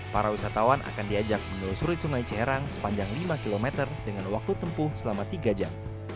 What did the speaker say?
para wisatawan akan diajak menelusuri sungai ciherang sepanjang lima km dengan waktu tempuh selama tiga jam